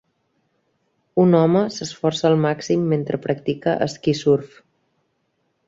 Un home s"esforça al màxim mentre practica esquí-surf.